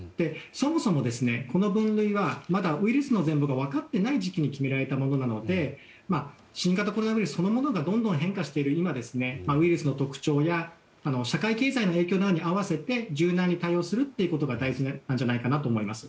そもそも、この分類はまだウイルスの全貌が分かっていない時期に決められたものなので新型コロナウイルスそのものがどんどん変化している今ですね、ウイルスの特徴や社会経済の影響に合わせて柔軟に対応することが大事なんじゃないかと思います。